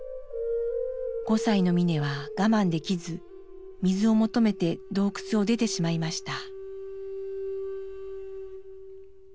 ５歳のミネは我慢できず水を求めて洞窟を出てしまいました。